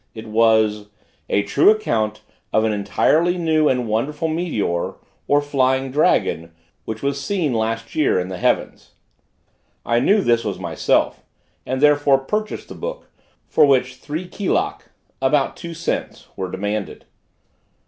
It was: "A true account of an entirely new and wonderful meteor, or flying dragon, which was seen last year in the heavens." I knew this was myself, and therefore purchased the book, for which three kilak about two cents were demanded.